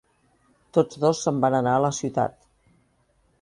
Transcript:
Tots dos se"n van anar a la ciutat.